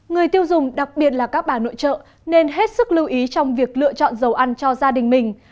người tiêu dùng đặc biệt là các bà nội trợ nên hết sức lưu ý trong việc lựa chọn dầu ăn cho gia đình mình